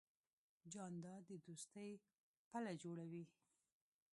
جانداد د دوستۍ پله جوړوي.